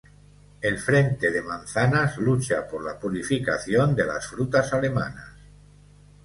El Frente de Manzanas lucha por la purificación de las frutas alemanas.